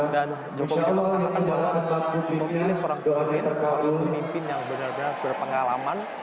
dan joko widodo mengatakan bahwa memilih seorang pemimpin harus memimpin yang benar benar berpengalaman